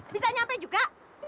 bisa nyampe juga